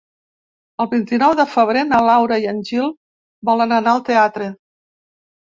El vint-i-nou de febrer na Laura i en Gil volen anar al teatre.